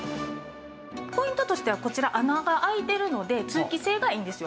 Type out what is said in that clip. ポイントとしてはこちら穴が開いてるので通気性がいいんですよ。